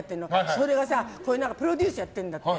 それがプロデュースやってるんだって。